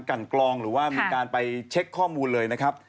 กันกรองหรือว่ามีการไปเช็คข้อมูลเลยนะครับ